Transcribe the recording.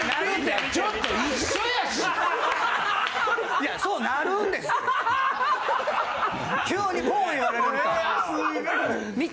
いやそうなるんですって。